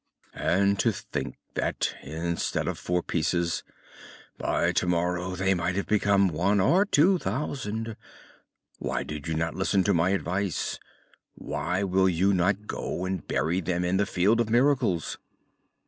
"And to think that, instead of four pieces, by tomorrow they might become one or two thousand! Why do you not listen to my advice? Why will you not go and bury them in the Field of Miracles?"